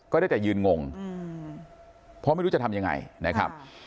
ได้แต่ยืนงงเพราะไม่รู้จะทำยังไงนะครับ